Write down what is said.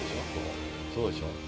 そうでしょ？